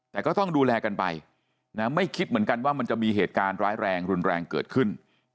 แต่ก็ต้องดูแลกันไปนะไม่คิดเหมือนกันว่ามันจะมีเหตุการณ์ร้ายแรงรุนแรงเกิดขึ้น